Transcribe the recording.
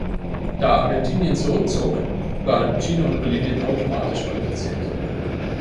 Da Argentinien zurückzog, waren Chile und Bolivien automatisch qualifiziert.